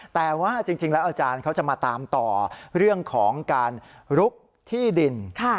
แต่ว่าจริงแล้วอาจารย์เขาจะมาตามต่อเรื่องของการลุกที่ดิน